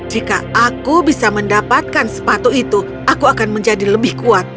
jika aku bisa mendapatkan sepatu itu aku akan menjadi lebih kuat